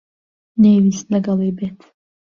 نەیویست لەگەڵی بێت.